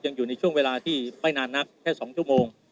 อยู่ในช่วงเวลาที่ไม่นานนักแค่๒ชั่วโมง